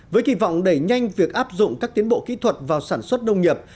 với kỳ vọng đẩy nhanh việc áp dụng các tiến bộ kỹ thuật vào sản xuất nông nghiệp